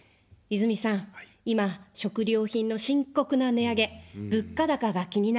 泉さん、今、食料品の深刻な値上げ、物価高が気になります。